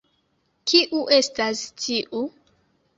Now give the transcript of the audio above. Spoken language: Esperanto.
Kiu estas tiu?